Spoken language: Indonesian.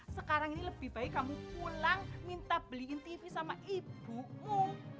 sekarang ini lebih baik kamu pulang minta beliin tv sama ibuku